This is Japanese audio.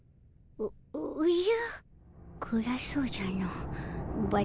おおじゃ。